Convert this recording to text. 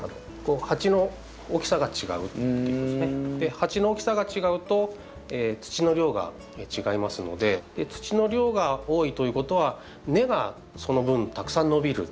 鉢の大きさが違うと土の量が違いますので土の量が多いということは根がその分たくさん伸びる。